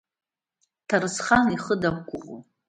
Ҭарсхан ихы дақәгәыӷуан.